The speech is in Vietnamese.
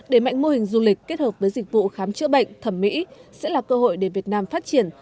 để mạnh mô hình du lịch kết hợp với dịch vụ khám chữa bệnh thẩm mỹ sẽ là cơ hội để việt nam phát triển